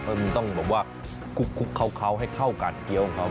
มันต้องแบบว่าคลุกเคล้าให้เข้ากันเกี้ยวของเขา